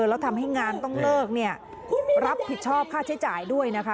แล้วทำให้งานต้องเลิกเนี่ยรับผิดชอบค่าใช้จ่ายด้วยนะคะ